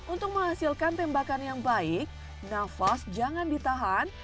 untuk menghasilkan tembakan yang baik nafas jangan ditahan